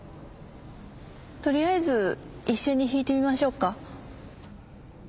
とりあえず一緒に弾いてみましょうか。